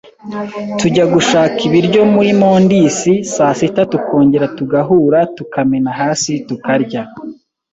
tujya gushaka ibiryo muri mondisi saa sita tukongera tugahura tukamena hasi tukarya,